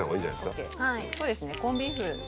そうですねコンビーフ